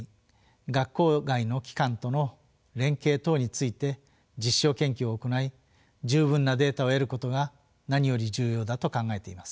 学校外の機関との連携等について実証研究を行い十分なデータを得ることが何より重要だと考えています。